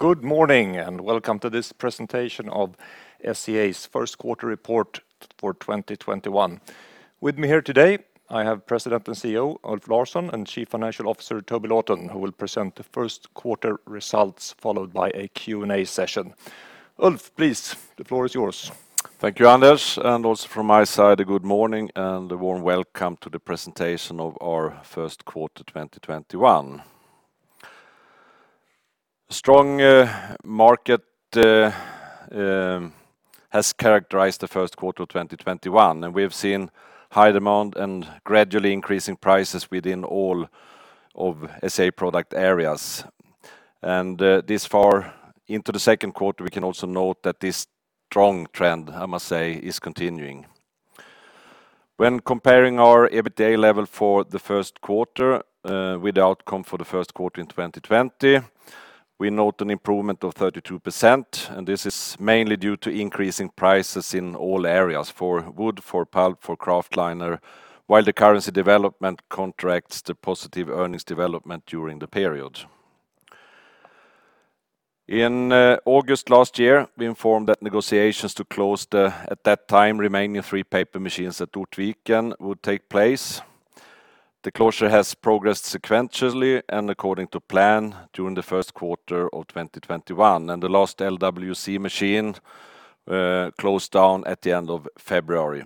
Good morning, and welcome to this presentation of SCA's First Quarter Report for 2021. With me here today, I have President and CEO Ulf Larsson and Chief Financial Officer Toby Lawton, who will present the first quarter results, followed by a Q&A session. Ulf, please, the floor is yours. Thank you, Anders, also from my side, a good morning and a warm welcome to the presentation of our first quarter 2021. A strong market has characterized the first quarter of 2021, and we have seen high demand and gradually increasing prices within all of SCA product areas. This far into the second quarter, we can also note that this strong trend, I must say, is continuing. When comparing our EBITDA level for the first quarter with the outcome for the first quarter 2020, we note an improvement of 32%, and this is mainly due to increasing prices in all areas for wood, for pulp, for kraftliner, while the currency development counteracts the positive earnings development during the period. In August last year, we informed that negotiations to close the, at that time, remaining three paper machines at Ortviken would take place. The closure has progressed sequentially and according to plan during the first quarter of 2021, and the last LWC machine closed down at the end of February.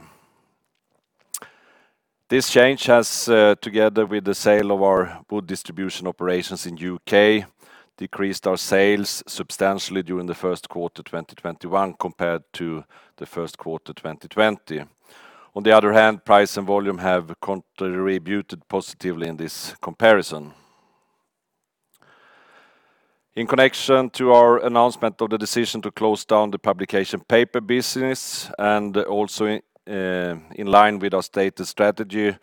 This change has, together with the sale of our wood distribution operations in U.K., decreased our sales substantially during the first quarter 2021 compared to the first quarter 2020. On the other hand, price and volume have contributed positively in this comparison. In connection to our announcement of the decision to close down the Publication Paper business and also in line with our stated strategy,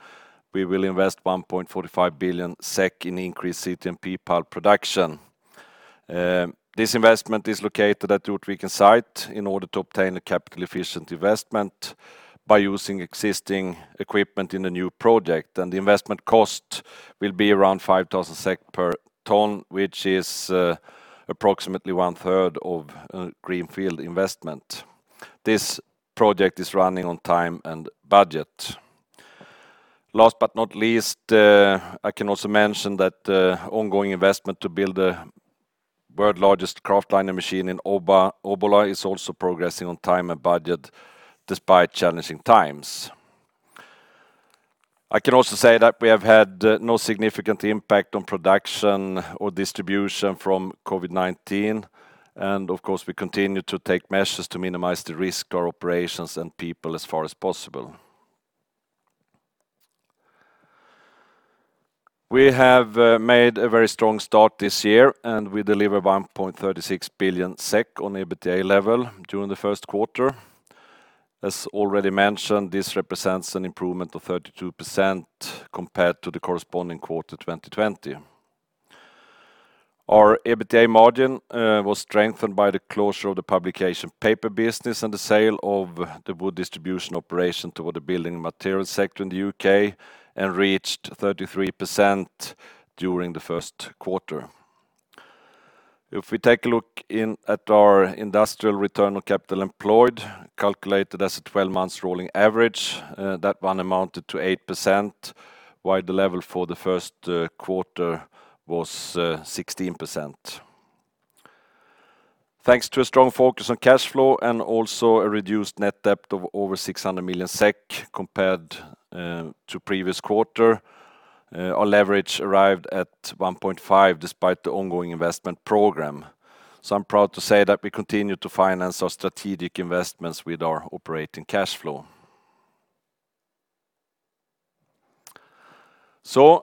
we will invest 1.45 billion SEK in increased CTMP pulp production. This investment is located at Ortviken site in order to obtain a capital efficient investment by using existing equipment in the new project. The investment cost will be around 5,000 SEK per ton, which is approximately one-third of greenfield investment. This project is running on time and budget. Last but not least, I can also mention that the ongoing investment to build the world largest kraftliner machine in Obbola is also progressing on time and budget despite challenging times. I can also say that we have had no significant impact on production or distribution from COVID-19, and of course, we continue to take measures to minimize the risk, our operations, and people as far as possible. We have made a very strong start this year. We deliver 1.36 billion SEK on EBITDA level during the first quarter. As already mentioned, this represents an improvement of 32% compared to the corresponding quarter 2020. Our EBITDA margin was strengthened by the closure of the Publication Paper business and the sale of the wood distribution operation toward the building material sector in the U.K. and reached 33% during the first quarter. If we take a look at our industrial return on capital employed, calculated as a 12 months rolling average, that one amounted to 8%, while the level for the first quarter was 16%. Thanks to a strong focus on cash flow and also a reduced net debt of over 600 million SEK compared to previous quarter, our leverage arrived at 1.5 despite the ongoing investment program. I'm proud to say that we continue to finance our strategic investments with our operating cash flow.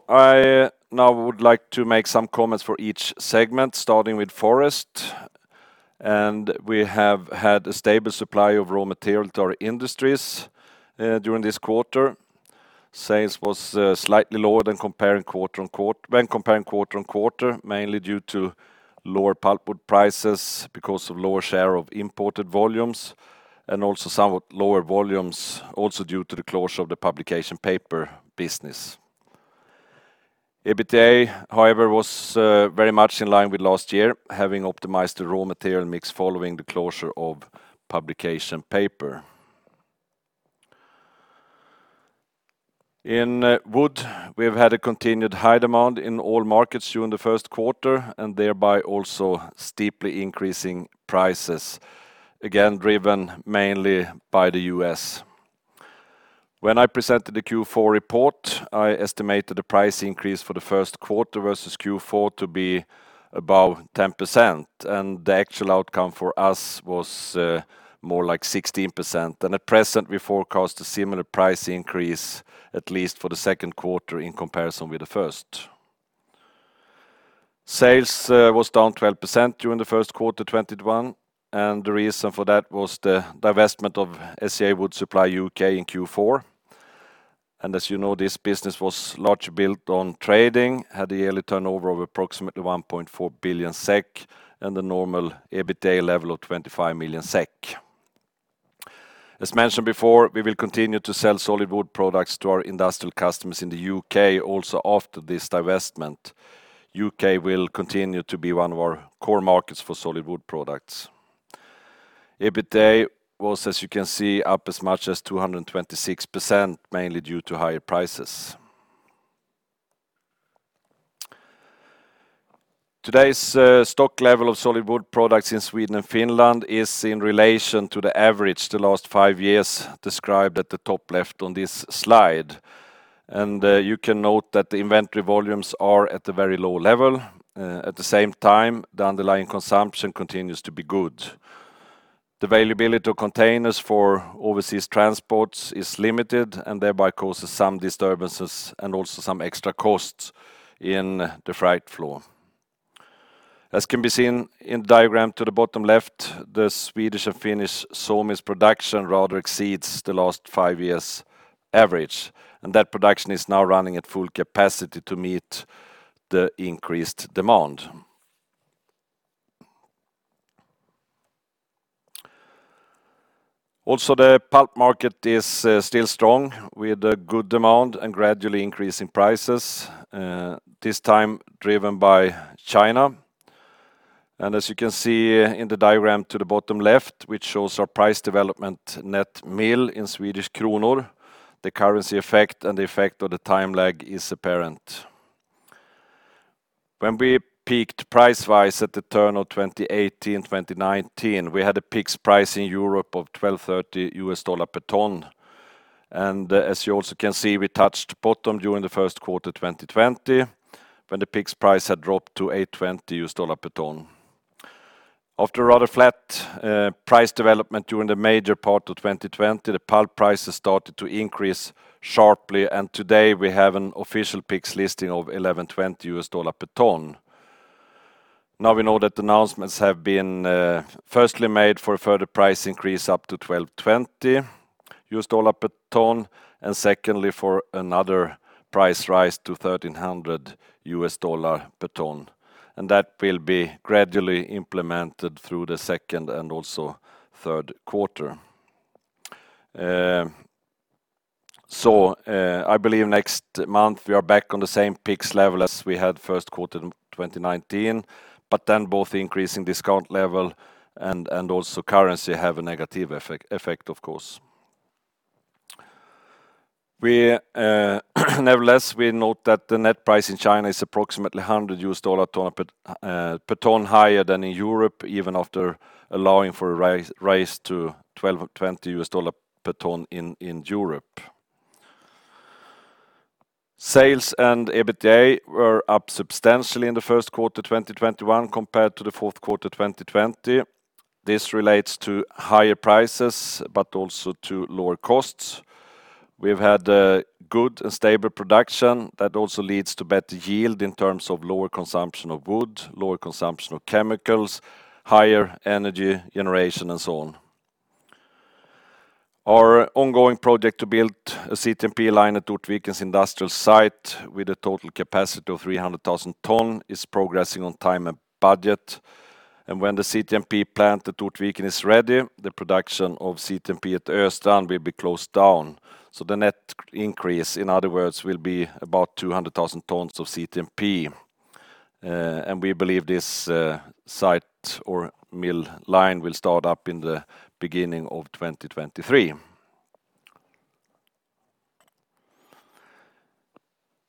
I now would like to make some comments for each segment, starting with forest. We have had a stable supply of raw material to our industries during this quarter. Sales was slightly lower when comparing quarter-on-quarter, mainly due to lower pulpwood prices because of lower share of imported volumes, and also somewhat lower volumes, also due to the closure of the Publication Paper business. EBITDA, however, was very much in line with last year, having optimized the raw material mix following the closure of Publication Paper. In wood, we have had a continued high demand in all markets during the first quarter and thereby also steeply increasing prices, again, driven mainly by the U.S. When I presented the Q4 report, I estimated the price increase for the first quarter versus Q4 to be above 10%, and the actual outcome for us was more like 16%. At present, we forecast a similar price increase, at least for the second quarter in comparison with the first. Sales was down 12% during the first quarter 2021. The reason for that was the divestment of SCA Wood Supply U.K. in Q4. As you know, this business was largely built on trading, had a yearly turnover of approximately 1.4 billion SEK and the normal EBITDA level of 25 million SEK. As mentioned before, we will continue to sell solid wood products to our industrial customers in the U.K. also after this divestment. U.K. will continue to be one of our core markets for solid wood products. EBITDA was, as you can see, up as much as 226%, mainly due to higher prices. Today's stock level of solid wood products in Sweden and Finland is in relation to the average the last five years described at the top left on this slide. You can note that the inventory volumes are at a very low level. At the same time, the underlying consumption continues to be good. The availability of containers for overseas transports is limited and thereby causes some disturbances and also some extra costs in the freight flow. As can be seen in diagram to the bottom left, the Swedish and Finnish sawmills production rather exceeds the last five years average, and that production is now running at full capacity to meet the increased demand. Also, the pulp market is still strong, with good demand and gradually increasing prices, this time driven by China. As you can see in the diagram to the bottom left, which shows our price development net mill in Swedish kronor, the currency effect and the effect of the time lag is apparent. When we peaked pricewise at the turn of 2018-2019, we had a peak price in Europe of $1,230 per ton. As you also can see, we touched bottom during Q1 2020, when the PIX price had dropped to $820 per ton. After a rather flat price development during the major part of 2020, the pulp prices started to increase sharply. Today we have an official PIX listing of $1,120 per ton. We know that announcements have been firstly made for a further price increase up to $1,220 per ton, and secondly, for another price rise to $1,300 per ton. That will be gradually implemented through the second and also third quarter. I believe next month we are back on the same PIX level as we had Q1 2019. Both the increasing discount level and also currency have a negative effect, of course. Nevertheless, we note that the net price in China is approximately $100 per ton higher than in Europe, even after allowing for a rise to $1,220 per ton in Europe. Sales and EBITDA were up substantially in Q1 2021 compared to Q4 2020. This relates to higher prices, but also to lower costs. We've had good and stable production that also leads to better yield in terms of lower consumption of wood, lower consumption of chemicals, higher energy generation, and so on. Our ongoing project to build a CTMP line at Ortvikens industrial site with a total capacity of 300,000 tons is progressing on time and budget. When the CTMP plant at Ortviken is ready, the production of CTMP at Östrand will be closed down. The net increase, in other words, will be about 200,000 tons of CTMP. We believe this site or mill line will start up in the beginning of 2023.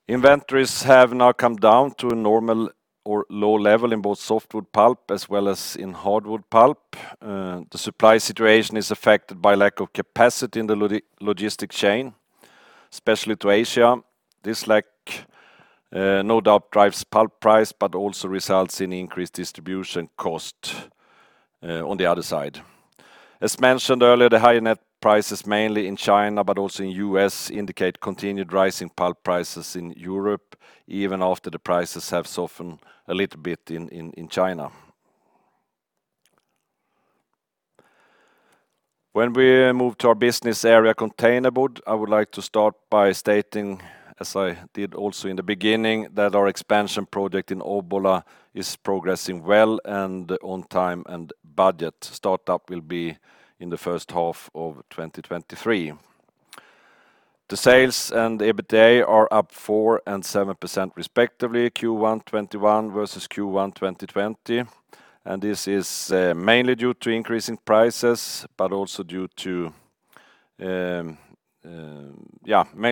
Inventories have now come down to a normal or low level in both softwood pulp as well as in hardwood pulp. The supply situation is affected by lack of capacity in the logistic chain, especially to Asia. This lack, no doubt drives pulp price, but also results in increased distribution cost on the other side. As mentioned earlier, the higher net prices, mainly in China but also in U.S., indicate continued rise in pulp prices in Europe even after the prices have softened a little bit in China. When we move to our business area, Containerboard, I would like to start by stating, as I did also in the beginning, that our expansion project in Obbola is progressing well and on time and budget. Start up will be in the first half of 2023. The sales and EBITDA are up 4% and 7% respectively, Q1 2021 versus Q1 2020. This is mainly due to increase in prices, mainly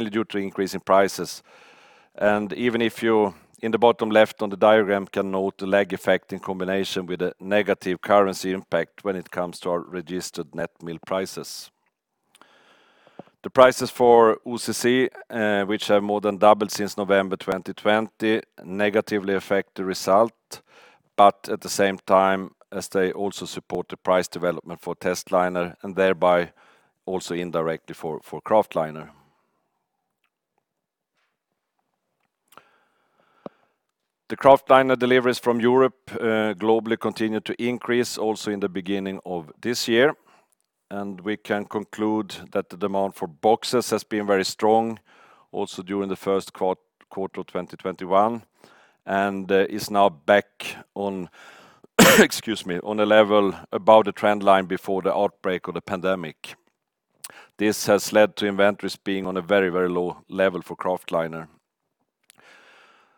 due to increase in prices. Even if you, in the bottom left on the diagram, can note the lag effect in combination with the negative currency impact when it comes to our registered net mill prices. The prices for OCC, which have more than doubled since November 2020, negatively affect the result, but at the same time as they also support the price development for testliner and thereby also indirectly for kraftliner. The kraftliner deliveries from Europe globally continue to increase also in the beginning of this year. We can conclude that the demand for boxes has been very strong also during the first quarter of 2021. Excuse me. On a level above the trend line before the outbreak of the pandemic. This has led to inventories being on a very low level for kraftliner.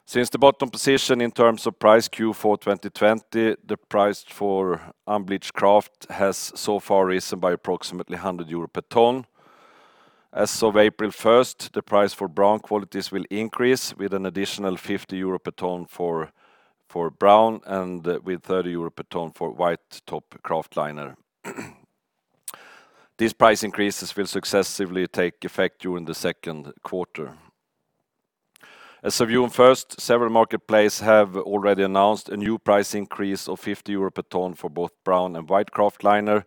Since the bottom position in terms of price Q4 2020, the price for unbleached kraft has so far risen by approximately 100 euro per ton. As of April 1st, the price for brown qualities will increase with an additional 50 euro per ton for brown and with 30 euro per ton for white top kraftliner. These price increases will successively take effect during the second quarter. As of June 1st, several marketplace have already announced a new price increase of 50 euro per ton for both brown and white kraftliner,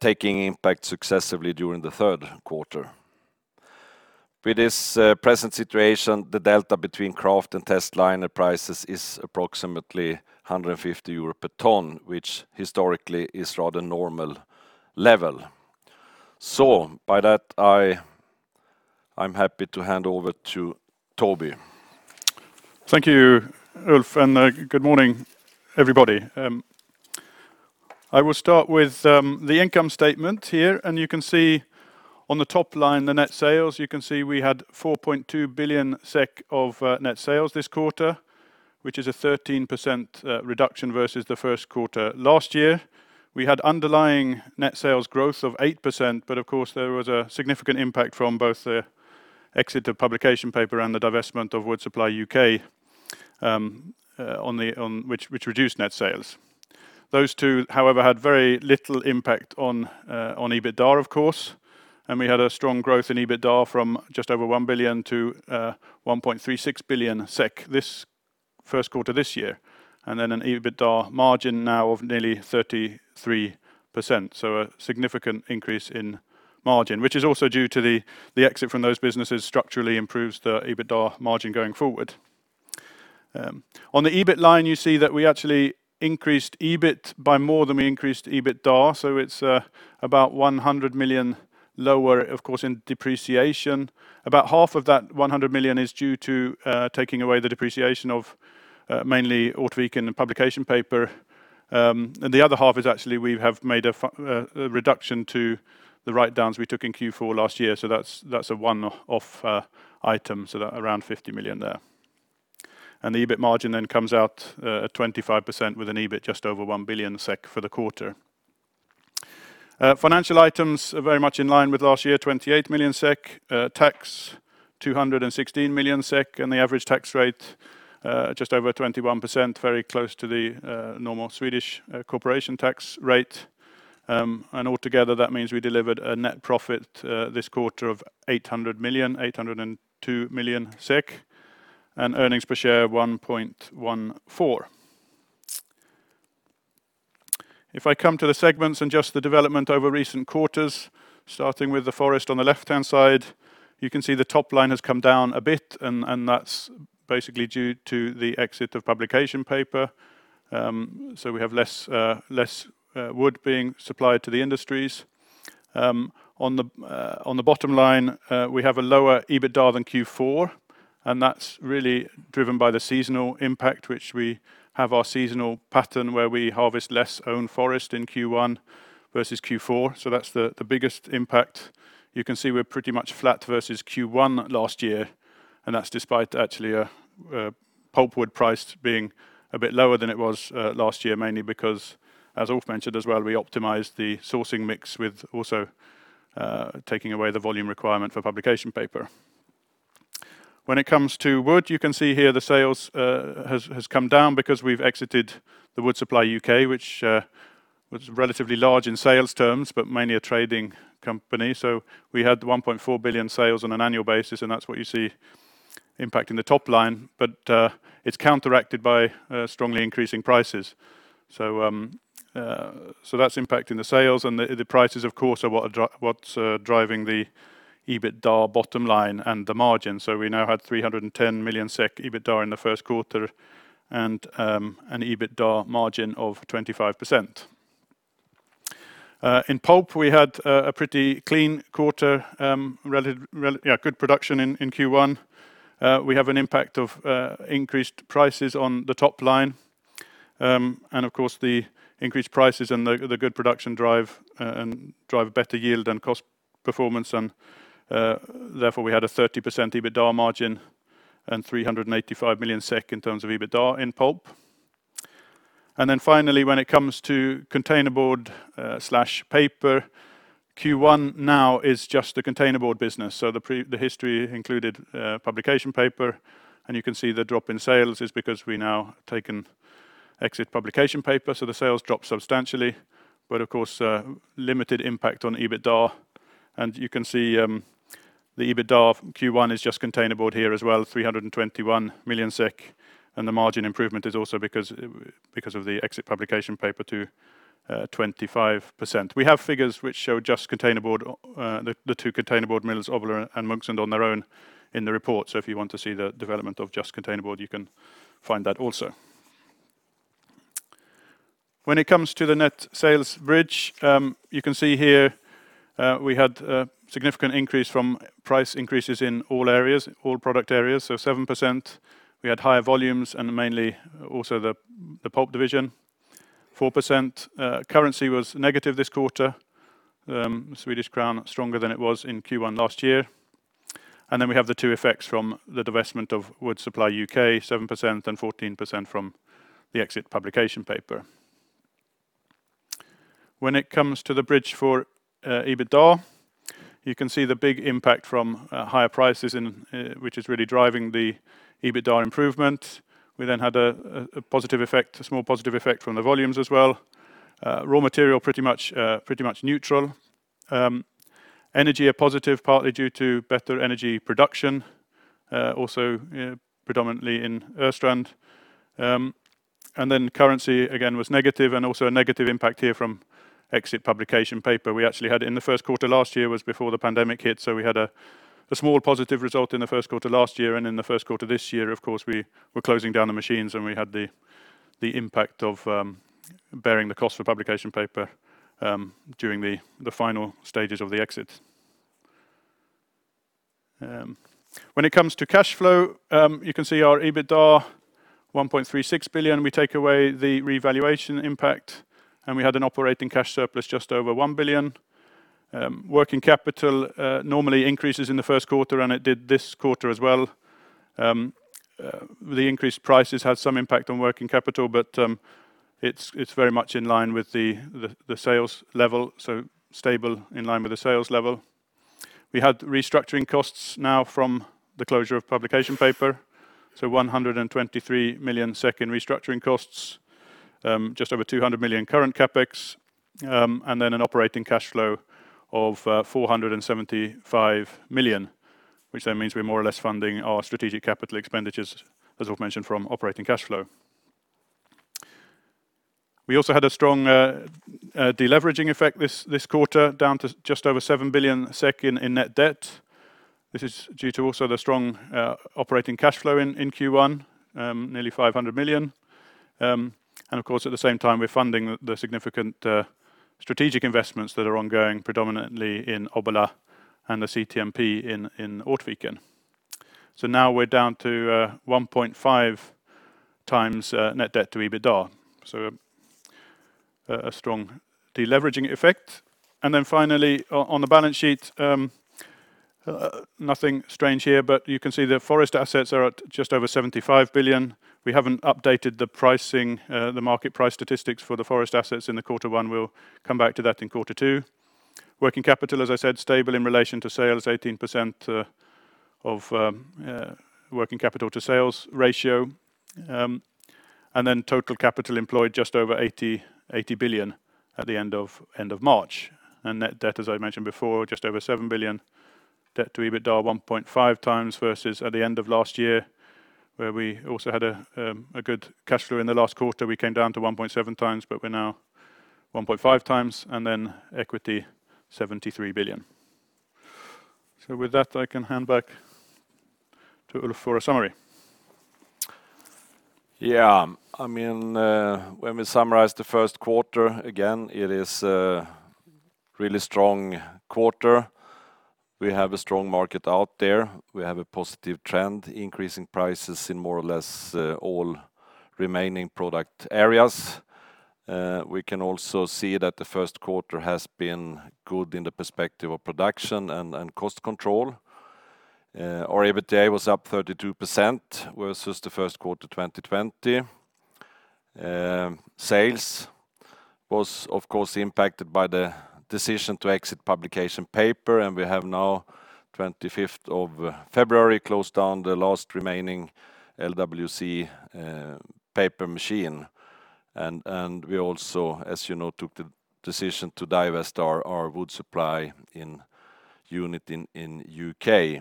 taking impact successively during the third quarter. With this present situation, the delta between kraft and testliner prices is approximately 150 euro per ton, which historically is rather normal level. By that, I'm happy to hand over to Toby. Thank you, Ulf, good morning, everybody. I will start with the income statement here. You can see on the top line the net sales. You can see we had 4.2 billion SEK of net sales this quarter, which is a 13% reduction versus the first quarter last year. We had underlying net sales growth of 8%. Of course, there was a significant impact from both the exit of Publication Paper and the divestment of Wood Supply U.K., which reduced net sales. Those two, however, had very little impact on EBITDA. Of course, we had a strong growth in EBITDA from just over 1 billion to 1.36 billion SEK this first quarter this year. Then an EBITDA margin now of nearly 33%. A significant increase in margin, which is also due to the exit from those businesses structurally improves the EBITDA margin going forward. On the EBIT line, you see that we actually increased EBIT by more than we increased EBITDA, so it is about 100 million lower, of course, in depreciation. About half of that 100 million is due to taking away the depreciation of mainly Ortviken and Publication Paper. The other half is actually we have made a reduction to the write-downs we took in Q4 last year. That is a one-off item, around 50 million there. The EBIT margin comes out at 25% with an EBIT just over 1 billion SEK for the quarter. Financial items are very much in line with last year, 28 million SEK. Tax 216 million SEK, the average tax rate just over 21%, very close to the normal Swedish corporation tax rate. Altogether, that means we delivered a net profit this quarter of 802 million SEK and earnings per share 1.14. If I come to the segments and just the development over recent quarters, starting with the forest on the left-hand side, you can see the top line has come down a bit, and that's basically due to the exit of Publication Paper. We have less wood being supplied to the industries. On the bottom line, we have a lower EBITDA than Q4, and that's really driven by the seasonal impact, which we have our seasonal pattern where we harvest less own forest in Q1 versus Q4. That's the biggest impact. You can see we're pretty much flat versus Q1 last year, and that's despite actually pulpwood price being a bit lower than it was last year, mainly because, as Ulf mentioned as well, we optimized the sourcing mix with also taking away the volume requirement for Publication Paper. When it comes to wood, you can see here the sales has come down because we've exited the SCA Wood Supply U.K., which was relatively large in sales terms, but mainly a trading company. We had 1.4 billion sales on an annual basis, and that's what you see impacting the top line. It's counteracted by strongly increasing prices. That's impacting the sales and the prices, of course, are what's driving the EBITDA bottom line and the margin. We now had 310 million SEK EBITDA in the first quarter and an EBITDA margin of 25%. In pulp, we had a pretty clean quarter, good production in Q1. We have an impact of increased prices on the top line. Of course, the increased prices and the good production drive better yield and cost performance, therefore, we had a 30% EBITDA margin and 385 million SEK in terms of EBITDA in pulp. Finally, when it comes to Containerboard/Paper, Q1 now is just the Containerboard business. The history included Publication Paper, you can see the drop in sales is because we now taken exit Publication Paper, the sales dropped substantially, but of course, limited impact on EBITDA. You can see the EBITDA Q1 is just Containerboard here as well, 321 million SEK, the margin improvement is also because of the exit Publication Paper to 25%. We have figures which show just the two Containerboard mills, Obbola and Munksund, on their own in the report. If you want to see the development of just containerboard, you can find that also. When it comes to the net sales bridge, you can see here we had a significant increase from price increases in all product areas, so 7%. We had higher volumes and mainly also the pulp division, 4%. Currency was negative this quarter, Swedish crown stronger than it was in Q1 last year. We have the two effects from the divestment of Wood Supply U.K., 7% and 14% from the exit Publication Paper. When it comes to the bridge for EBITDA, you can see the big impact from higher prices, which is really driving the EBITDA improvement. We then had a small positive effect from the volumes as well. Raw material pretty much neutral. Energy a positive, partly due to better energy production, also predominantly in Östrand. Currency, again, was negative and also a negative impact here from exit Publication Paper. We actually had it in the first quarter last year, was before the pandemic hit, so we had a small positive result in the first quarter last year. In the first quarter this year, of course, we were closing down the machines and we had the impact of bearing the cost for Publication Paper during the final stages of the exit. When it comes to cash flow, you can see our EBITDA 1.36 billion. We take away the revaluation impact, and we had an operating cash surplus just over 1 billion. Working capital normally increases in the first quarter, and it did this quarter as well. The increased prices had some impact on working capital, but it's very much in line with the sales level, so stable in line with the sales level. We had restructuring costs now from the closure of Publication Paper, so 123 million in restructuring costs, just over 200 million current CapEx, and then an operating cash flow of 475 million, which then means we're more or less funding our strategic capital expenditures, as Ulf mentioned, from operating cash flow. We also had a strong de-leveraging effect this quarter, down to just over 7 billion SEK in net debt. This is due to also the strong operating cash flow in Q1, nearly 500 million. Of course, at the same time, we're funding the significant strategic investments that are ongoing, predominantly in Obbola and the CTMP in Ortviken. Now we're down to 1.5x net debt to EBITDA, so a strong de-leveraging effect. Then finally, on the balance sheet, nothing strange here, but you can see the forest assets are at just over 75 billion. We haven't updated the market price statistics for the forest assets in the Q1. We'll come back to that in Q2. Working capital, as I said, stable in relation to sales, 18% of working capital to sales ratio. Total capital employed just over 80 billion at the end of March. Net debt, as I mentioned before, just over 7 billion. Debt to EBITDA 1.5x versus at the end of last year, where we also had a good cash flow in the last quarter. We came down to 1.7x, but we're now 1.5x, and then equity 73 billion. With that, I can hand back to Ulf for a summary. Yeah. When we summarize the first quarter, again, it is a really strong quarter. We have a strong market out there. We have a positive trend, increasing prices in more or less all remaining product areas. We can also see that the first quarter has been good in the perspective of production and cost control. Our EBITDA was up 32% versus the first quarter 2020. Sales was, of course, impacted by the decision to exit Publication Paper. We have now, of February 25th, closed down the last remaining LWC paper machine. We also, as you know, took the decision to divest our wood supply unit in U.K.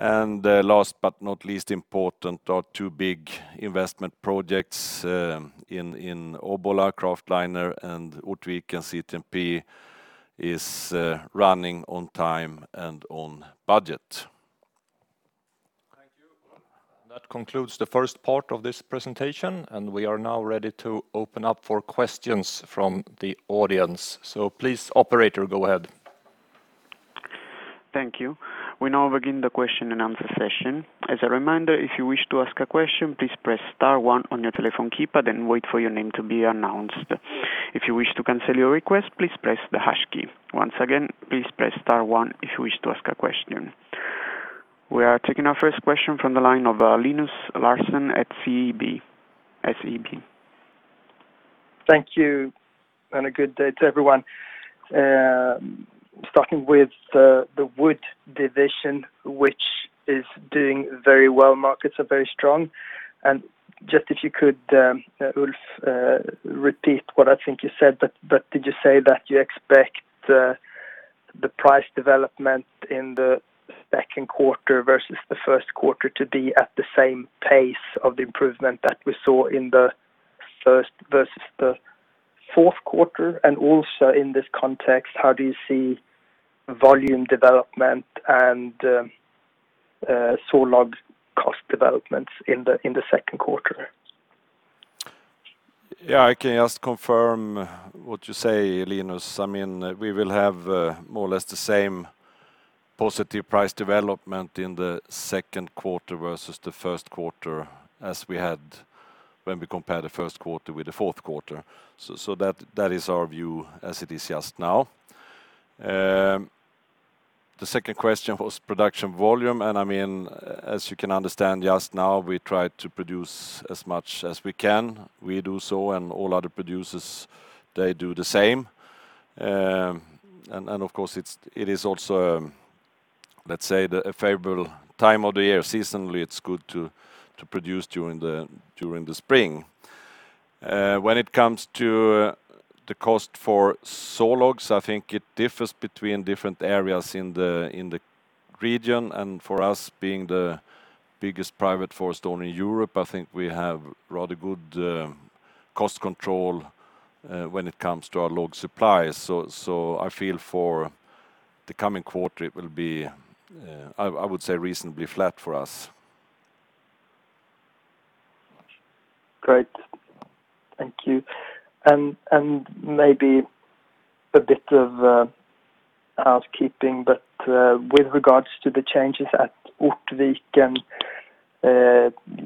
Last but not least important, our two big investment projects in Obbola, Kraftliner, and Ortviken's CTMP is running on time and on budget. Thank you, Ulf. That concludes the first part of this presentation, and we are now ready to open up for questions from the audience. Please, operator, go ahead. Thank you. We now begin the question-and-answer session. As a reminder, if you wish to ask a question, please press star one on your telephone keypad and wait for your name to be announced. If you wish to cancel your request, please press the hash key. Once again, please press star one if you wish to ask a question. We are taking our first question from the line of Linus Larsson at SEB. Thank you, and a good day to everyone. Starting with the Wood division, which is doing very well, markets are very strong. Just if you could, Ulf, repeat what I think you said, but did you say that you expect the price development in the second quarter versus the first quarter to be at the same pace of the improvement that we saw in the first versus the fourth quarter? Also in this context, how do you see volume development and saw log cost developments in the second quarter? Yeah, I can just confirm what you say, Linus. We will have more or less the same positive price development in the second quarter versus the first quarter as we had when we compare the first quarter with the fourth quarter. That is our view as it is just now. The second question was production volume, and as you can understand, just now, we try to produce as much as we can. We do so and all other producers, they do the same. Of course, it is also, let's say, the favorable time of the year. Seasonally, it's good to produce during the spring. When it comes to the cost for saw logs, I think it differs between different areas in the region, and for us, being the biggest private forest owner in Europe, I think we have rather good cost control when it comes to our log supply. I feel for the coming quarter, it will be, I would say reasonably flat for us. Great. Thank you. Maybe a bit of housekeeping, with regards to the changes at Ortviken,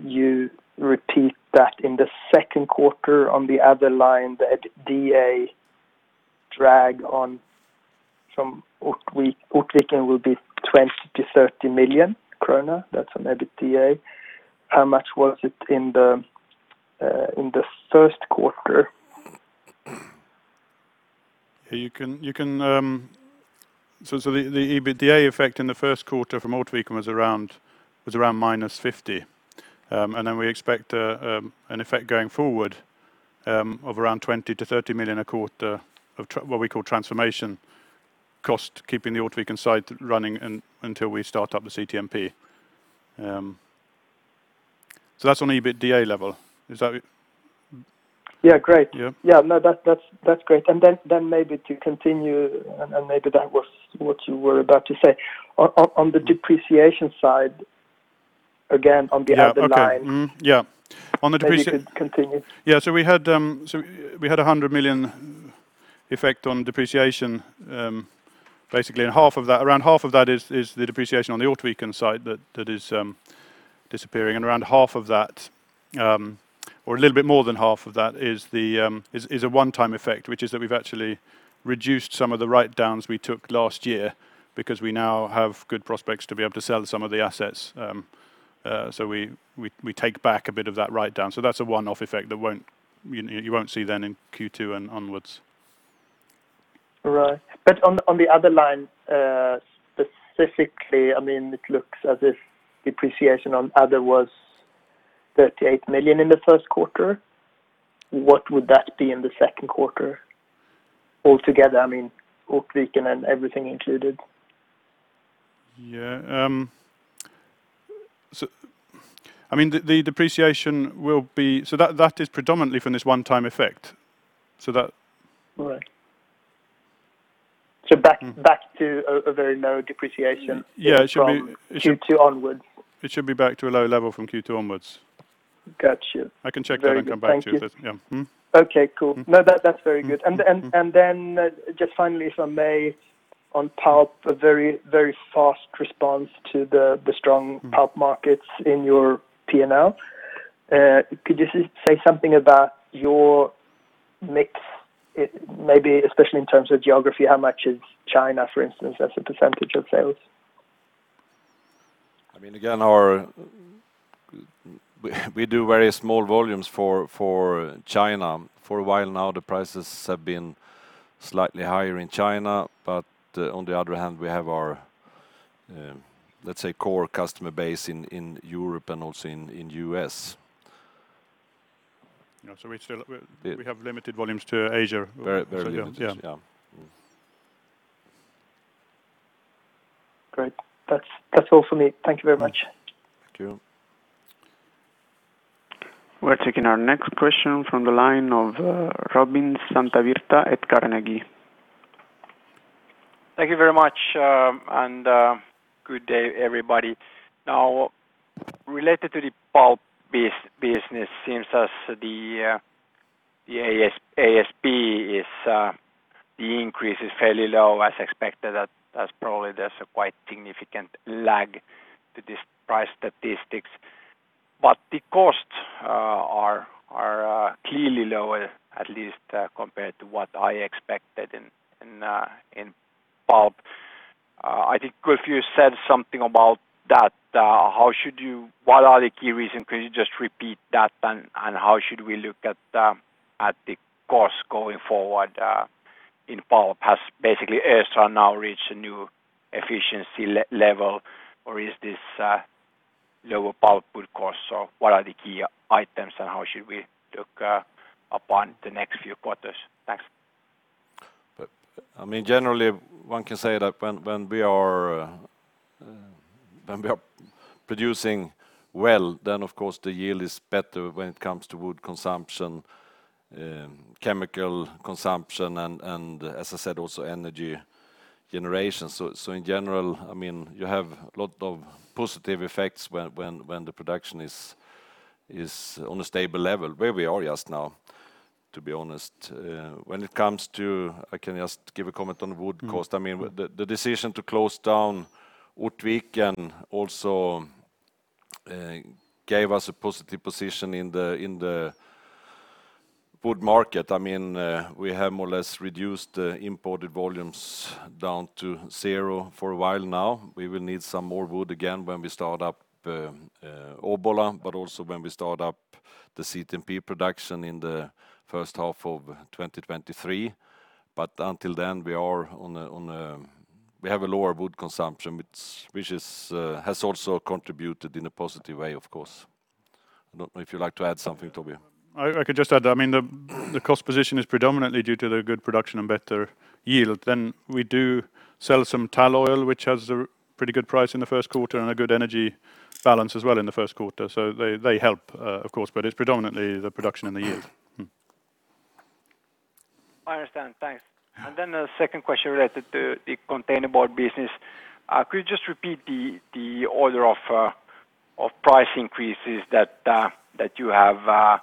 you repeat that in the second quarter on the other line, the EBITDA drag on from Ortviken will be 20 million-30 million krona. That's on EBITDA. How much was it in the first quarter? The EBITDA effect in the first quarter from Ortviken was around -50. We expect an effect going forward of around 20 million-30 million a quarter of what we call transformation cost, keeping the Ortviken site running until we start up the CTMP. That's on EBITDA level. Is that it? Yeah. Great. Yeah. Yeah, that's great. Maybe to continue, and maybe that was what you were about to say. Yeah. Okay. Maybe you could continue. Yeah. We had SEK 100 million effect on depreciation. Basically around 1/2 of that is the depreciation on the Ortviken site that is disappearing, around 1/2 of that, or a little bit more than 1/2 of that is a 1x effect, which is that we've actually reduced some of the write-downs we took last year because we now have good prospects to be able to sell some of the assets. We take back a bit of that write-down. That's a one-off effect that you won't see then in Q2 and onwards. Right. On the other line, specifically, it looks as if depreciation on other was 38 million in the first quarter. What would that be in the second quarter altogether? Ortviken and everything included. Yeah. That is predominantly from this one-time effect. Right. Yeah. From Q2 onwards. It should be back to a low level from Q2 onwards. Got you. I can check that and come back to you. Very good. Thank you. Yeah. Mm-hmm. Okay. Cool. No, that's very good. Then just finally, if I may, on pulp, a very fast response to the strong pulp markets in your P&L. Could you say something about your mix, maybe especially in terms of geography, how much is China, for instance, as a percentage of sales? Again, we do very small volumes for China. For a while now, the prices have been slightly higher in China, but on the other hand, we have our, let's say, core customer base in Europe and also in U.S. Yeah. We have limited volumes to Asia. Very limited. Yeah. Yeah. Great. That's all from me. Thank you very much. Thank you. We're taking our next question from the line of Robin Santavirta at Carnegie. Thank you very much, and good day, everybody. Related to the pulp business, seems as the ASP, the increase is fairly low as expected. That's probably there's a quite significant lag to this price statistics. The costs are clearly lower, at least compared to what I expected in pulp. I think if you said something about that, what are the key reason? Could you just repeat that, and how should we look at the cost going forward in pulp? Has basically Östrand now reached a new efficiency level, or is this lower pulpwood cost? What are the key items, and how should we look upon the next few quarters? Thanks. Generally, one can say that when we are producing well, then, of course, the yield is better when it comes to wood consumption, chemical consumption and, as I said, also energy generation. In general, you have a lot of positive effects when the production is on a stable level, where we are just now, to be honest. When it comes to, I can just give a comment on wood cost. The decision to close down Ortviken also gave us a positive position in the wood market. We have more or less reduced the imported volumes down to zero for a while now. We will need some more wood again when we start up Obbola, but also when we start up the CTMP production in the first half of 2023. Until then, we have a lower wood consumption, which has also contributed in a positive way, of course. I don't know if you'd like to add something, Toby. I could just add, the cost position is predominantly due to the good production and better yield. We do sell some tall oil, which has a pretty good price in the first quarter and a good energy balance as well in the first quarter. They help, of course, but it's predominantly the production and the yield. I understand. Thanks. The second question related to the containerboard business. Could you just repeat the order of price increases that you have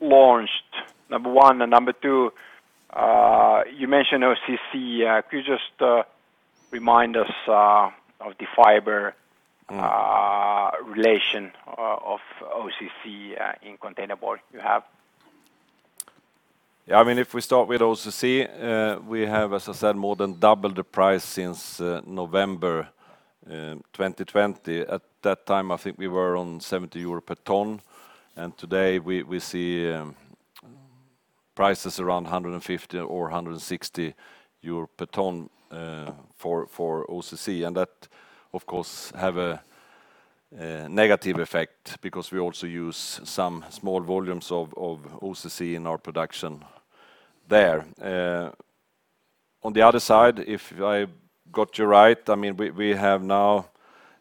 launched, number one? Number two, you mentioned OCC. Could you just remind us of the fiber relation of OCC in containerboard you have? If we start with OCC, we have, as I said, more than doubled the price since November 2020. At that time, I think we were on 70 euro per ton, and today we see prices around 150 or 160 euro per ton for OCC. That, of course, have a negative effect because we also use some small volumes of OCC in our production there. On the other side, if I got you right, we have now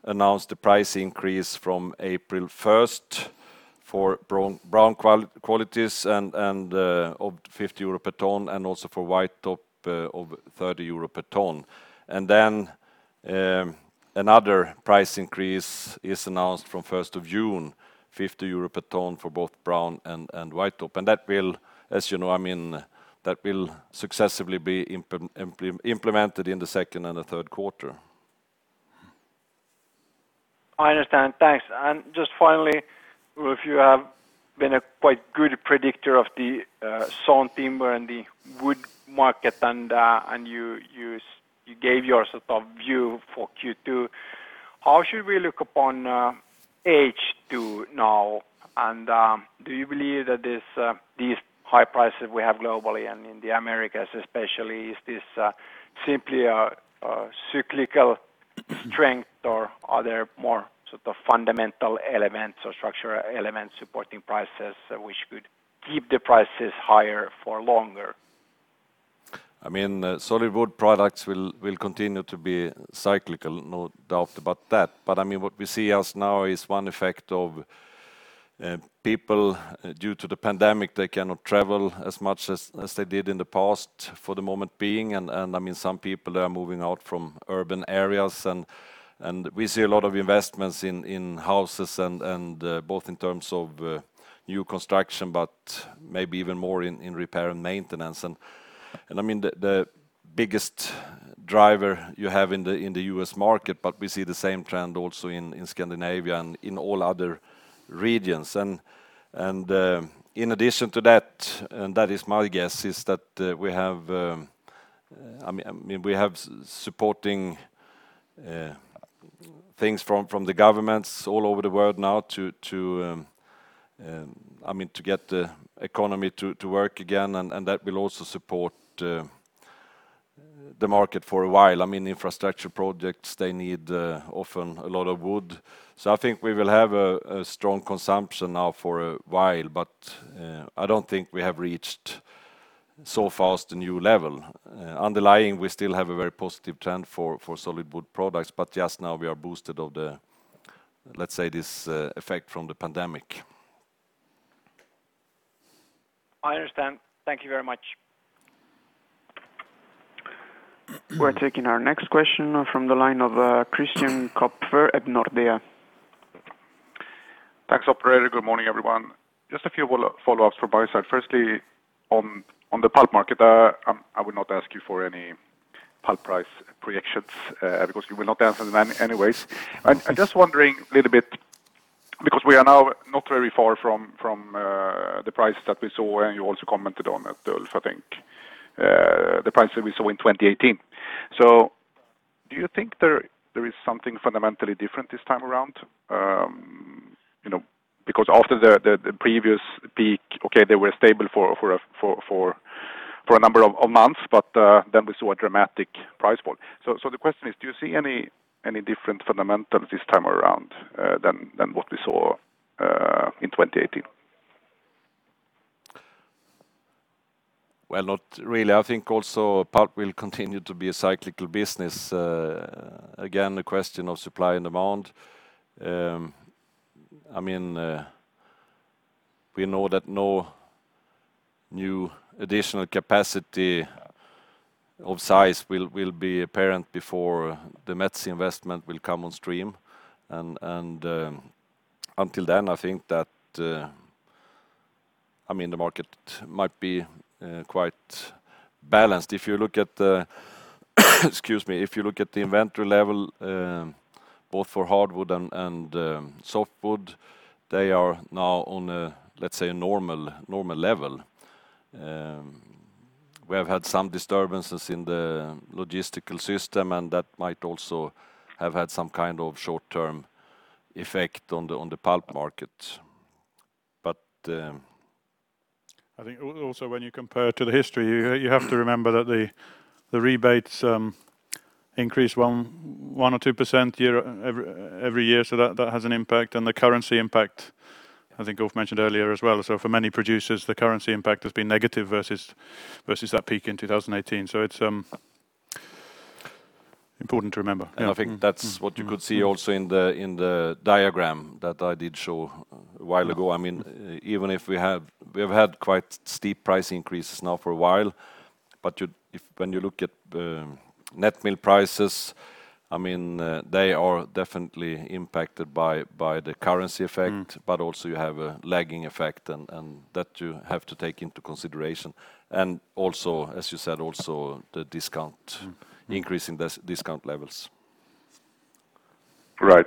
announced the price increase from April 1st for brown qualities of 50 euro per ton and also for white top of 30 euro per ton. Then another price increase is announced from June 1st, 50 euro per ton for both brown and white top. That will successively be implemented in the second and the third quarter. I understand. Thanks. Just finally, Ulf, you have been a quite good predictor of the sawn timber and the wood market, and you gave your view for Q2. How should we look upon H2 now? Do you believe that these high prices we have globally and in the Americas especially, is this simply a cyclical strength, or are there more fundamental elements or structural elements supporting prices which could keep the prices higher for longer? Solid wood products will continue to be cyclical, no doubt about that. What we see as now is one effect of people, due to the pandemic, they cannot travel as much as they did in the past for the moment being, and some people are moving out from urban areas. We see a lot of investments in houses, both in terms of new construction, but maybe even more in repair and maintenance. The biggest driver you have in the U.S. market, but we see the same trend also in Scandinavia and in all other regions. In addition to that, and that is my guess, is that we have supporting things from the governments all over the world now to get the economy to work again, and that will also support the market for a while. Infrastructure projects, they need often a lot of wood. I think we will have a strong consumption now for a while. I don't think we have reached so fast a new level. Underlying, we still have a very positive trend for solid wood products, but just now we are boosted of the, let's say, this effect from the pandemic. I understand. Thank you very much. We're taking our next question from the line of Christian Kopfer at Nordea. Thanks, operator. Good morning, everyone. Just a few follow-ups from my side. Firstly, on the pulp market, I would not ask you for any pulp price projections because you will not answer them anyways. I'm just wondering a little bit, because we are now not very far from the price that we saw, and you also commented on it, Ulf, I think, the prices we saw in 2018. Do you think there is something fundamentally different this time around? Because after the previous peak, okay, they were stable for a number of months, but then we saw a dramatic price fall. The question is, do you see any different fundamentals this time around than what we saw in 2018? Well, not really. I think also pulp will continue to be a cyclical business. Again, the question of supply and demand. We know that no new additional capacity of size will be apparent before the Metsä investment will come on stream, and until then, I think that the market might be quite balanced. If you look at the inventory level both for hardwood and softwood, they are now on a, let's say, normal level. We have had some disturbances in the logistical system, and that might also have had some kind of short-term effect on the pulp market. I think also when you compare to the history, you have to remember that the rebates increase 1% or 2% every year, so that has an impact. The currency impact, I think Ulf mentioned earlier as well. For many producers, the currency impact has been negative versus that peak in 2018. It's important to remember. I think that's what you could see also in the diagram that I did show a while ago. Even if we have had quite steep price increases now for a while, but when you look at net mill prices, they are definitely impacted by the currency effect. Also you have a lagging effect, and that you have to take into consideration. Also, as you said, the increase in discount levels. Right.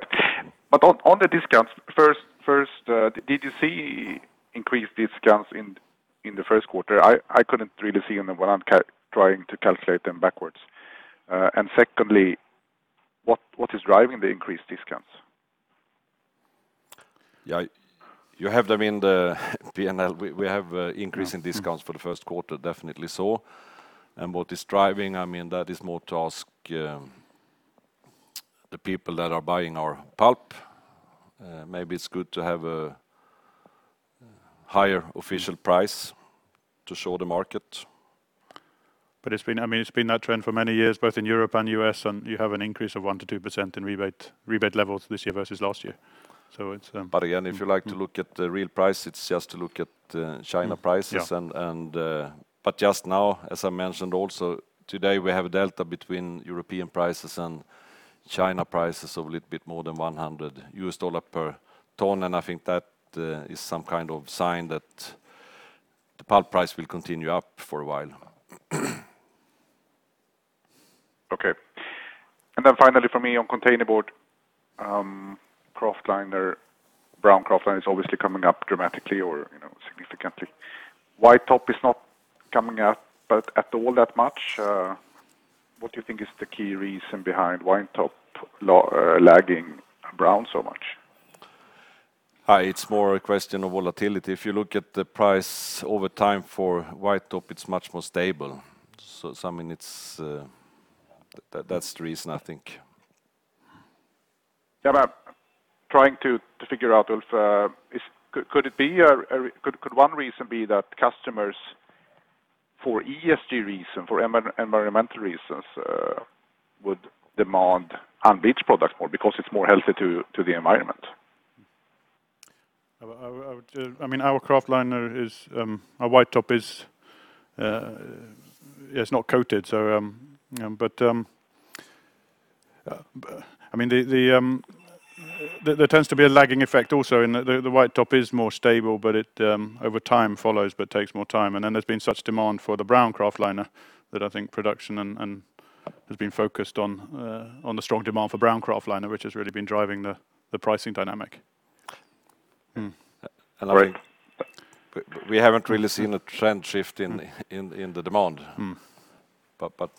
On the discounts, first, did you see increased discounts in the first quarter? I couldn't really see them when I'm trying to calculate them backwards. Secondly, what is driving the increased discounts? Yeah. You have them in the P&L. We have increase in discounts for the first quarter, definitely so. What is driving, that is more to ask the people that are buying our pulp. Maybe it's good to have a higher official price to show the market. It's been that trend for many years, both in Europe and U.S., and you have an increase of 1%-2% in rebate levels this year versus last year. Again, if you like to look at the real price, it's just to look at China prices. Yeah. Just now, as I mentioned also, today we have a delta between European prices and China prices of a little bit more than $100 per ton. I think that is some kind of sign that the pulp price will continue up for a while. Okay. Finally from me on containerboard, brown kraftliner is obviously coming up dramatically or significantly. White top is not coming up at all that much. What do you think is the key reason behind white top lagging brown so much? It's more a question of volatility. If you look at the price over time for white top, it's much more stable. That's the reason, I think. Yeah. Trying to figure out, Ulf, could one reason be that customers for ESG reason, for environmental reasons, would demand unbleached products more because it's more healthy to the environment? Our white top is not coated. There tends to be a lagging effect also in the white top is more stable, but over time follows, but takes more time. There's been such demand for the brown kraftliner that I think production has been focused on the strong demand for brown kraftliner, which has really been driving the pricing dynamic. I think we haven't really seen a trend shift in the demand.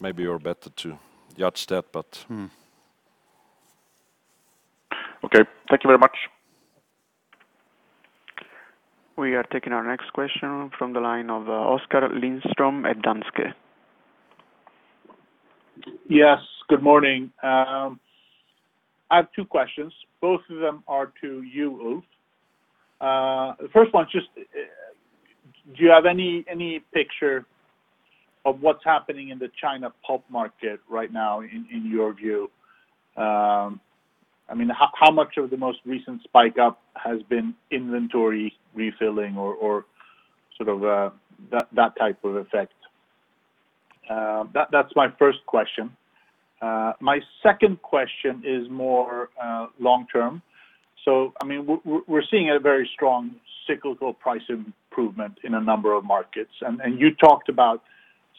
Maybe you're better to judge that. Okay. Thank you very much. We are taking our next question from the line of Oskar Lindström at Danske. Yes, good morning. I have two questions. Both of them are to you, Ulf. First one, do you have any picture of what's happening in the China pulp market right now in your view? How much of the most recent spike up has been inventory refilling or that type of effect? That's my first question. My second question is more long-term. We're seeing a very strong cyclical price improvement in a number of markets, and you talked about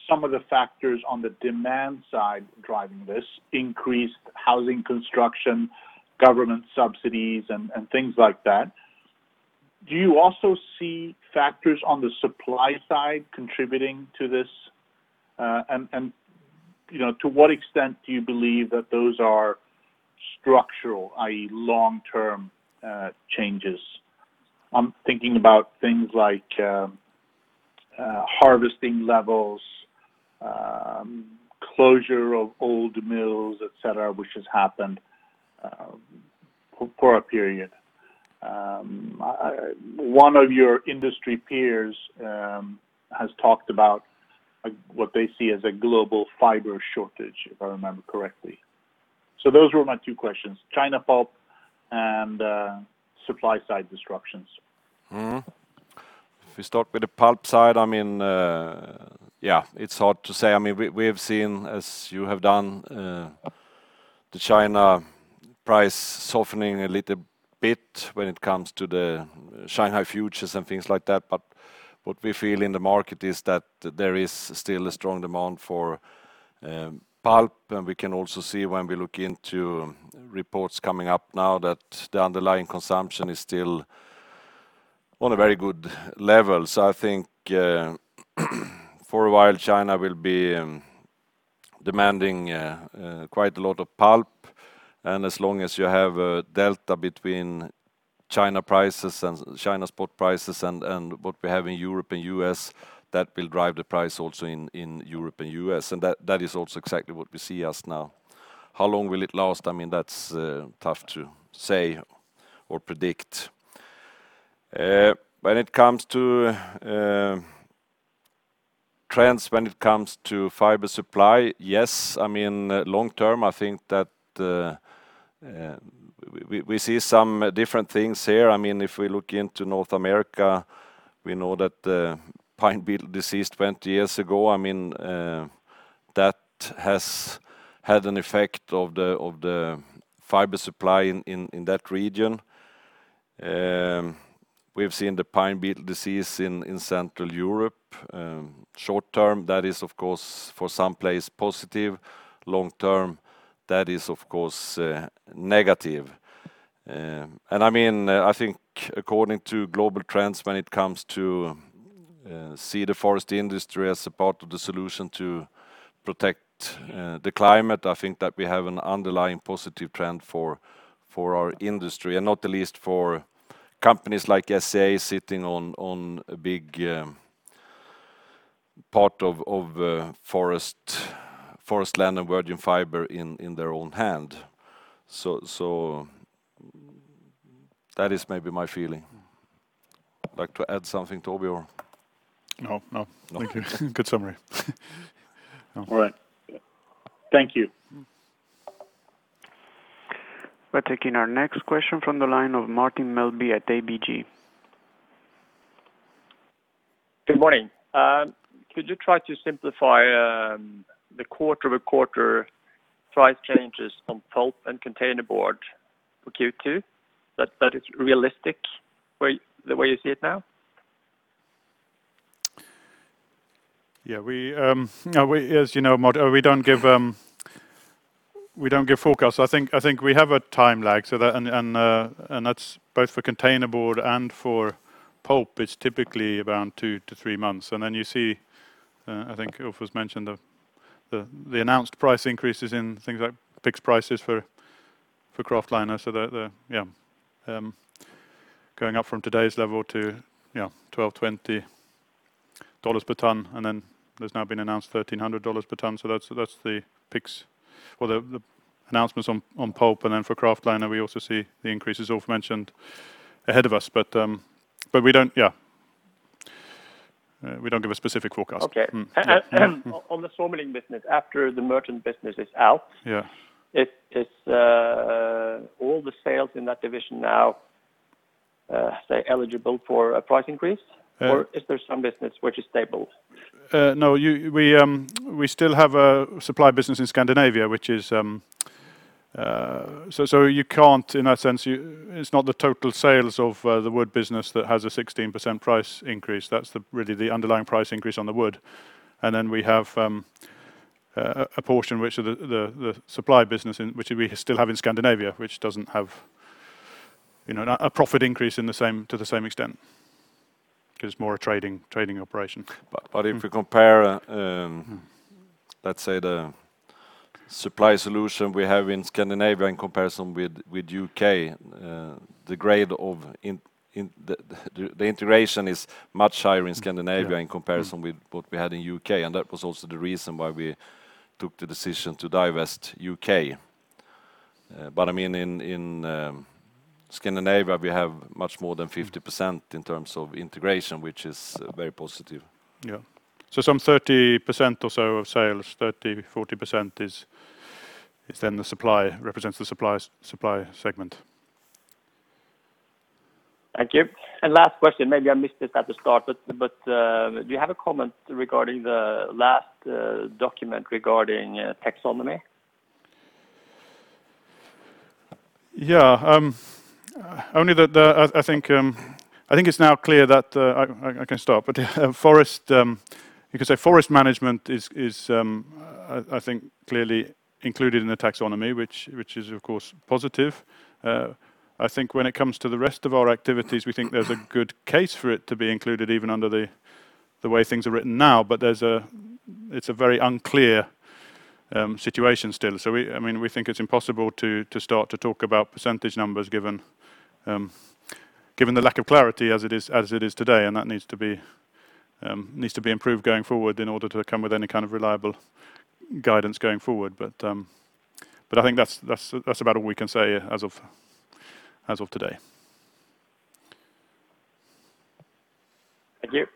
some of the factors on the demand side driving this, increased housing construction, government subsidies, and things like that. Do you also see factors on the supply side contributing to this? To what extent do you believe that those are structural, i.e. long-term changes? I'm thinking about things like harvesting levels, closure of old mills, et cetera, which has happened for a period. One of your industry peers has talked about what they see as a global fiber shortage, if I remember correctly. Those were my two questions. China pulp and supply side disruptions. If we start with the pulp side, it's hard to say. We have seen, as you have done, the China price softening a little bit when it comes to the Shanghai futures and things like that. What we feel in the market is that there is still a strong demand for pulp, and we can also see when we look into reports coming up now that the underlying consumption is still on a very good level. I think for a while, China will be demanding quite a lot of pulp. As long as you have a delta between China spot prices and what we have in Europe and U.S., that will drive the price also in Europe and U.S. That is also exactly what we see as now. How long will it last? That's tough to say or predict. When it comes to trends, when it comes to fiber supply, yes, long term, I think that we see some different things here. If we look into North America, we know that the pine beetle disease 20 years ago, that has had an effect of the fiber supply in that region. We've seen the pine beetle disease in Central Europe. Short term, that is, of course, for some place positive. Long term, that is, of course, negative. I think according to global trends, when it comes to see the forest industry as a part of the solution to protect the climate, I think that we have an underlying positive trend for our industry. Not the least for companies like SCA sitting on a big part of forest land and virgin fiber in their own hand. That is maybe my feeling. Like to add something, Toby, or? No. Thank you. Good summary. All right. Thank you. We're taking our next question from the line of Martin Melbye at ABG. Good morning. Could you try to simplify the quarter-over-quarter price changes on pulp and containerboard for Q2? That is realistic the way you see it now? Yeah. As you know, Martin, we don't give forecasts. I think we have a time lag, and that's both for containerboard and for pulp. It's typically around two to three months. Then you see, I think Ulf has mentioned the announced price increases in things like PIX prices for kraftliner. Yeah. Going up from today's level to $1,220 per ton, and then there's now been announced $1,300 per ton. That's the PIX or the announcements on pulp. Then for kraftliner, we also see the increases Ulf mentioned ahead of us. We don't give a specific forecast. Okay. Yeah. On the sawmilling business, after the merchant business is out. Yeah Is all the sales in that division now, say, eligible for a price increase? Or is there some business which is stable? No. We still have a supply business in Scandinavia. In that sense, it's not the total sales of the wood business that has a 16% price increase. That's really the underlying price increase on the wood. We have a portion, the supply business, which we still have in Scandinavia, which doesn't have a profit increase to the same extent because it's more a trading operation. If you compare, let's say, the supply solution we have in Scandinavia in comparison with U.K., the integration is much higher in Scandinavia. Yeah. Mm-hmm in comparison with what we had in U.K. That was also the reason why we took the decision to divest U.K. In Scandinavia, we have much more than 50% in terms of integration, which is very positive. Yeah. Some 30% or so of sales, 30%, 40% represents the supply segment. Thank you. Last question, maybe I missed it at the start, but do you have a comment regarding the last document regarding taxonomy? Yeah. I think it's now clear that I can start. You could say forest management is, I think, clearly included in the E.U. Taxonomy, which is, of course, positive. I think when it comes to the rest of our activities, we think there's a good case for it to be included even under the way things are written now. It's a very unclear situation still. We think it's impossible to start to talk about percentage numbers given the lack of clarity as it is today, and that needs to be improved going forward in order to come with any kind of reliable guidance going forward. I think that's about all we can say as of today. Thank you.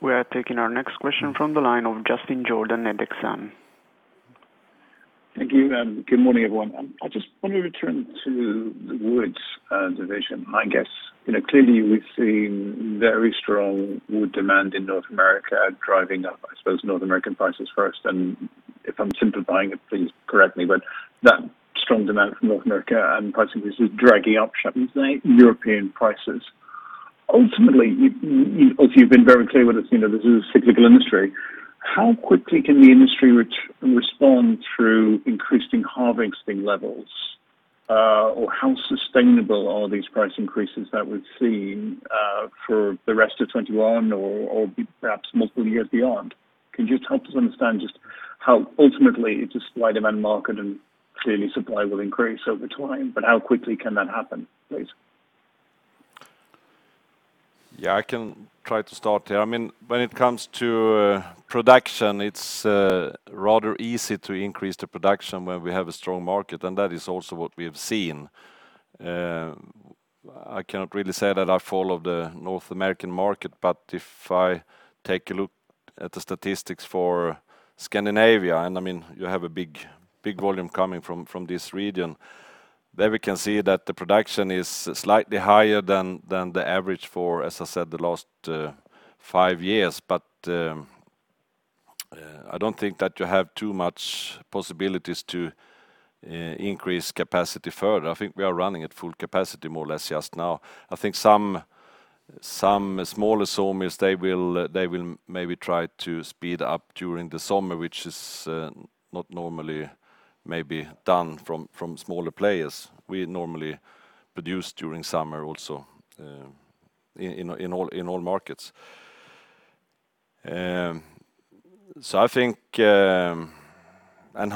We are taking our next question from the line of Justin Jordan at Exane. Thank you. Good morning, everyone. I just want to return to the woods division, I guess. Clearly, we've seen very strong wood demand in North America driving up, I suppose North American prices first, and if I'm simplifying it, please correct me, but that strong demand from North America and pricing is dragging up European prices. Ultimately, you obviously have been very clear with us, this is a cyclical industry. How quickly can the industry respond through increasing harvesting levels? How sustainable are these price increases that we've seen, for the rest of 2021 or perhaps multiple years beyond? Can you just help us understand just how ultimately, it's a supply-demand market and clearly supply will increase over time, but how quickly can that happen, please? Yeah, I can try to start here. When it comes to production, it's rather easy to increase the production when we have a strong market, and that is also what we have seen. I cannot really say that I follow the North American market, if I take a look at the statistics for Scandinavia, you have a big volume coming from this region. There we can see that the production is slightly higher than the average for, as I said, the last five years. I don't think that you have too much possibilities to increase capacity further. I think we are running at full capacity more or less just now. I think some smaller sawmills, they will maybe try to speed up during the summer, which is not normally maybe done from smaller players. We normally produce during summer also in all markets. How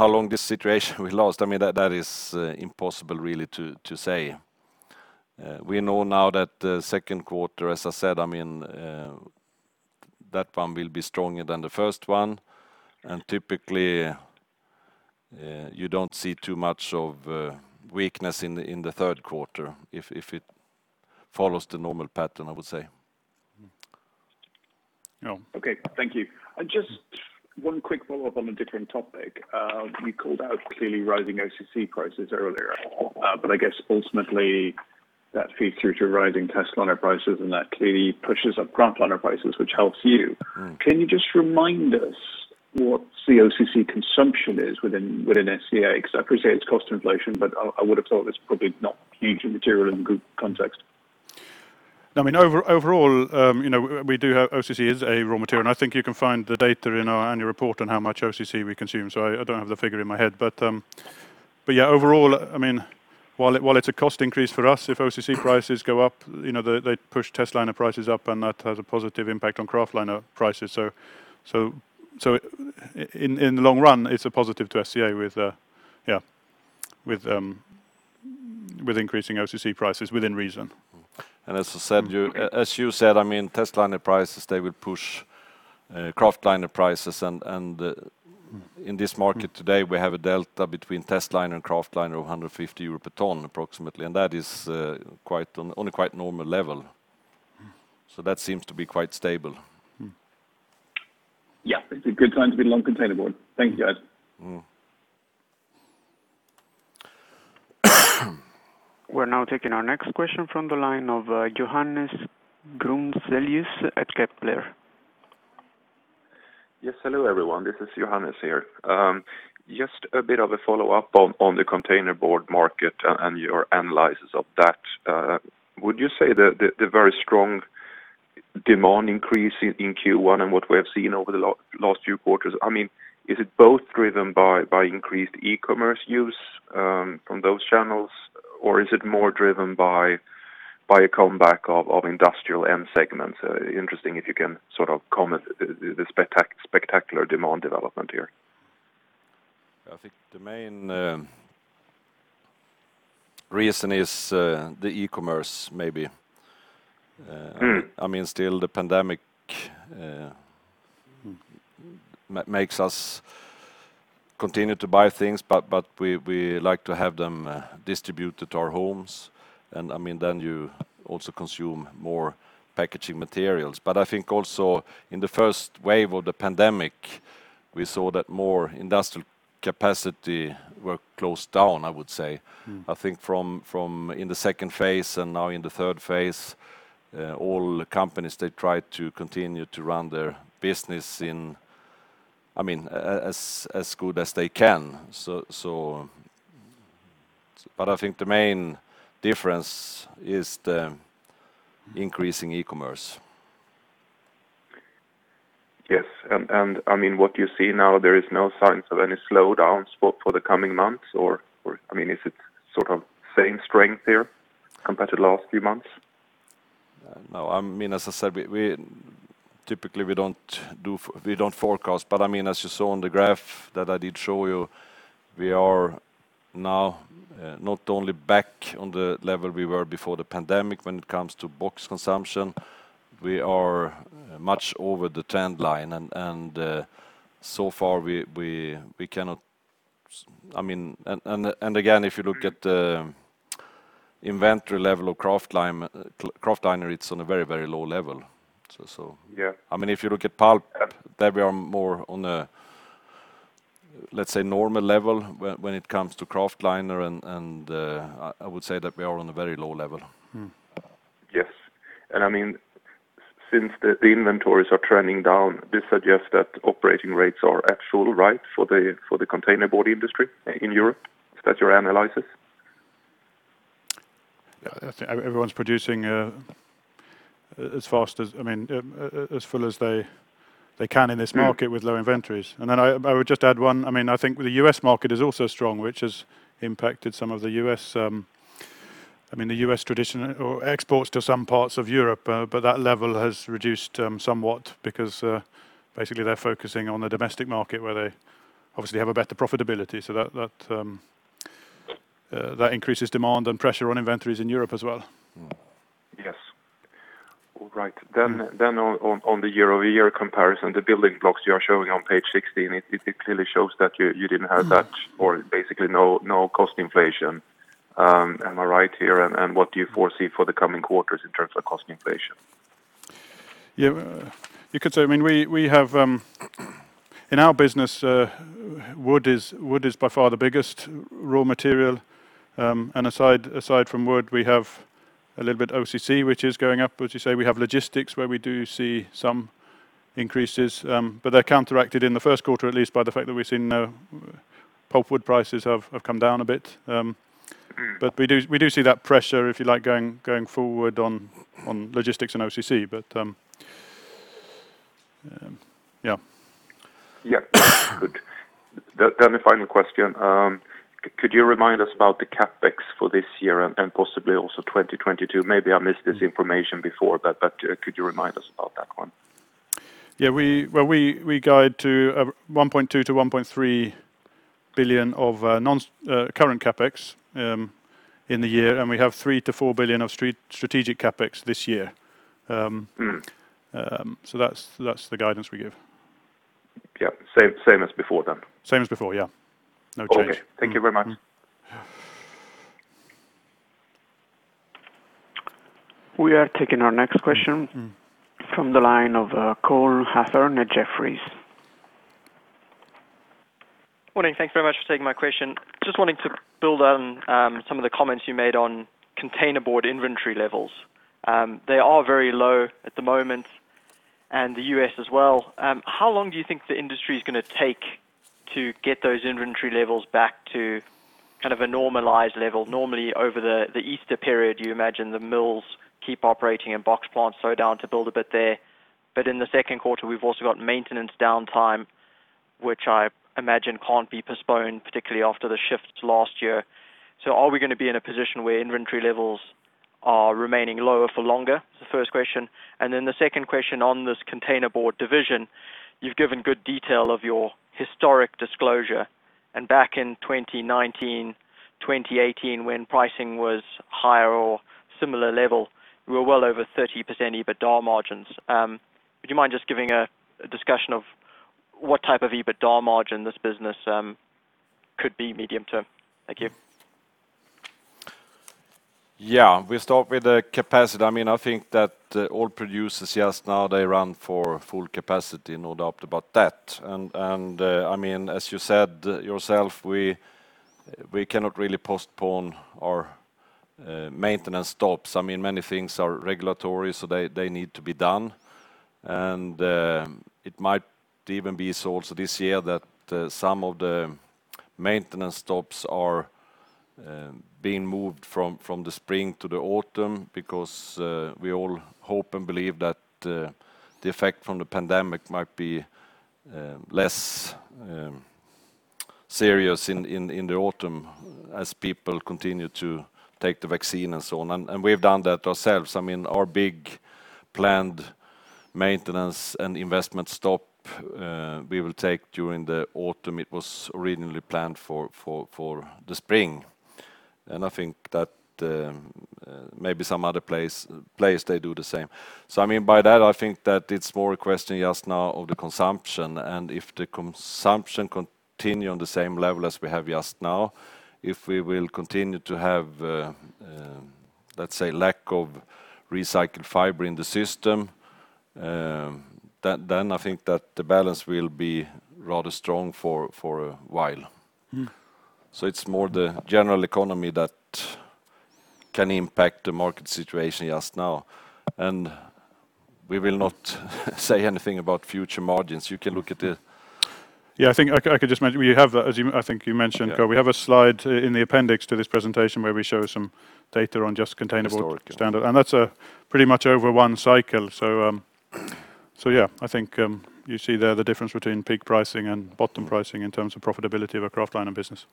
long this situation will last? That is impossible really to say. We know now that the second quarter, as I said, that one will be stronger than the first one. Typically, you don't see too much of weakness in the third quarter if it follows the normal pattern, I would say. Yeah. Okay. Thank you. Just one quick follow-up on a different topic. We called out clearly rising OCC prices earlier on. I guess ultimately that feeds through to rising testliner prices. That clearly pushes up kraftliner prices, which helps you. Can you just remind us what the OCC consumption is within SCA? Because I appreciate it's cost inflation, but I would've thought it's probably not hugely material in the group context. No, overall, OCC is a raw material, and I think you can find the data in our annual report on how much OCC we consume. I don't have the figure in my head. Overall, while it's a cost increase for us, if OCC prices go up, they push testliner prices up, and that has a positive impact on kraftliner prices. In the long run, it's a positive to SCA with increasing OCC prices within reason. As you said, testliner prices, they will push kraftliner prices. In this market today, we have a delta between testliner and kraftliner of 150 euro per ton approximately. That is on a quite normal level. That seems to be quite stable. Yeah. It's a good time to be in the containerboard. Thank you, guys. We're now taking our next question from the line of Johannes Grunselius at Kepler. Yes. Hello, everyone. This is Johannes here. Just a bit of a follow-up on the containerboard market and your analysis of that. Would you say the very strong demand increase in Q1 and what we have seen over the last few quarters, is it both driven by increased e-commerce use from those channels, or is it more driven by a comeback of industrial end segments? Interesting if you can sort of comment the spectacular demand development here. I think the main reason is the e-commerce maybe. Still the pandemic makes us continue to buy things, but we like to have them distributed to our homes, and then you also consume more packaging materials. I think also in the first wave of the pandemic, we saw that more industrial capacity were closed down, I would say. I think from in the phase II and now in the phase III, all companies, they try to continue to run their business as good as they can. I think the main difference is the increasing e-commerce. Yes. What you see now, there is no signs of any slowdowns for the coming months, or is it sort of same strength here compared to the last few months? No, as I said, typically we don't forecast. As you saw on the graph that I did show you, we are now not only back on the level we were before the pandemic when it comes to box consumption, we are much over the trend line. Again, if you look at the inventory level of kraftliner, it's on a very low level. Yeah. If you look at pulp. Yeah. There we are more on a, let's say, normal level. When it comes to kraftliner, I would say that we are on a very low level. Yes. Since the inventories are trending down, this suggests that operating rates are at full, right, for the containerboard industry in Europe? Is that your analysis? Yeah. I think everyone's producing as full as they can in this market with low inventories. I would just add one, I think the U.S. market is also strong, which has impacted some of the U.S. exports to some parts of Europe. That level has reduced somewhat because basically they're focusing on the domestic market where they obviously have a better profitability, so that increases demand and pressure on inventories in Europe as well. Yes. All right. On the year-over-year comparison, the building blocks you're showing on page 16, it clearly shows that you didn't have that or basically no cost inflation. Am I right here? What do you foresee for the coming quarters in terms of cost inflation? Yeah. You could say. In our business, wood is by far the biggest raw material. Aside from wood, we have a little bit OCC, which is going up. As you say, we have logistics where we do see some increases, but they're counteracted in the first quarter at least by the fact that we've seen pulp wood prices have come down a bit. We do see that pressure, if you like, going forward on logistics and OCC. Yeah. Good. The final question, could you remind us about the CapEx for this year and possibly also 2022? Maybe I missed this information before, could you remind us about that one? Yeah. Well, we guide to 1.2 billion-1.3 billion of current CapEx in the year, and we have 3 billion-4 billion of strategic CapEx this year. That's the guidance we give. Yeah. Same as before then? Same as before, yeah. No change. Okay. Thank you very much. Yeah. We are taking our next question from the line of Cole Hathorn at Jefferies. Morning. Thank you very much for taking my question. Just wanting to build on some of the comments you made on containerboard inventory levels. They are very low at the moment and the U.S. as well. How long do you think the industry is going to take to get those inventory levels back to a normalized level? Normally, over the Easter period, you imagine the mills keep operating and box plants slow down to build a bit there. In the second quarter, we've also got maintenance downtime, which I imagine can't be postponed, particularly after the shifts last year. Are we going to be in a position where inventory levels are remaining lower for longer? Is the first question. The second question on this containerboard division, you've given good detail of your historic disclosure. Back in 2019, 2018, when pricing was higher or similar level, we were well over 30% EBITDA margins. Would you mind just giving a discussion of what type of EBITDA margin this business could be medium term? Thank you. Yeah. We start with the capacity. I think that all producers just now, they run for full capacity, no doubt about that. As you said yourself, we cannot really postpone our maintenance stops. Many things are regulatory, so they need to be done. It might even be so also this year that some of the maintenance stops are being moved from the spring to the autumn because we all hope and believe that the effect from the pandemic might be less serious in the autumn as people continue to take the vaccine and so on. We've done that ourselves. Our big planned maintenance and investment stop we will take during the autumn. It was originally planned for the spring. I think that maybe some other place, they do the same. By that, I think that it's more a question just now of the consumption, and if the consumption continues on the same level as we have just now, if we will continue to have, let's say, lack of recycled fiber in the system, then I think that the balance will be rather strong for a while. It's more the general economy that can impact the market situation just now. We will not say anything about future margins. Yeah, I think I could just mention, I think you mentioned, Cole, we have a slide in the appendix to this presentation where we show some data on just containerboard. Historic, yeah. That's pretty much over one cycle. Yeah, I think you see there the difference between peak pricing and bottom pricing in terms of profitability of a kraftliner business.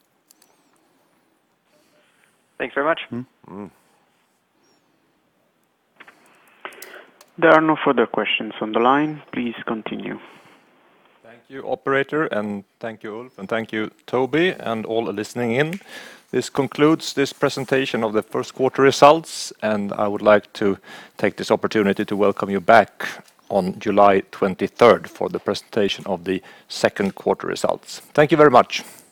Thanks very much. There are no further questions on the line. Please continue. Thank you, operator, and thank you, Ulf, and thank you, Toby, and all listening in. This concludes this presentation of the first quarter results, and I would like to take this opportunity to welcome you back on July 23rd for the presentation of the second quarter results. Thank you very much. Thank you.